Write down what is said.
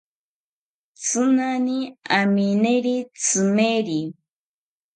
Tzinani amineri tzimeri